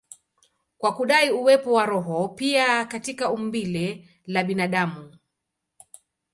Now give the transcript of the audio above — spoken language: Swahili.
kwa kudai uwepo wa roho pia katika umbile la binadamu.